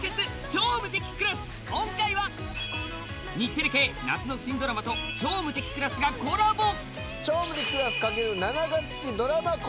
『超無敵クラス』今回は日テレ系夏の新ドラマと『超無敵クラス』がコラボ！